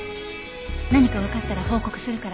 何かわかったら報告するから。